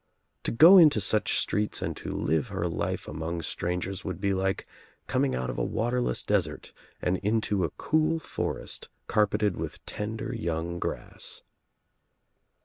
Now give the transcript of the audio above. To go Into such streets and to live her life among strangers would be like coming out of a water less desert and into a coo! forest carpeted with tender young grass.